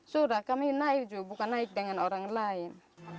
sudah kami naik juga bukan naik dengan orang lain